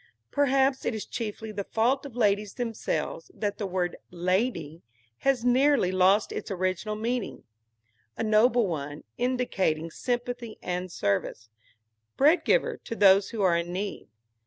Perhaps it is chiefly the fault of ladies themselves that the word "lady" has nearly lost its original meaning (a noble one) indicating sympathy and service; bread giver to those who are in need.